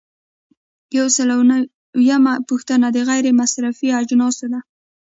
یو سل او نوي یمه پوښتنه د غیر مصرفي اجناسو ده.